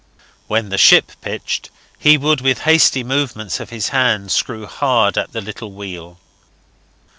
When the ship pitched he would with hasty movements of his hands screw hard at the little wheel.